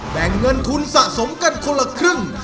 แบ่งเงินทุนสะสมกันคนละครึ่ง